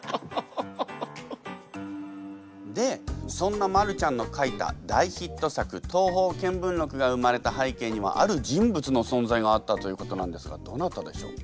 でそんなマルちゃんの書いた大ヒット作「東方見聞録」が生まれた背景にはある人物の存在があったということなんですがどなたでしょう？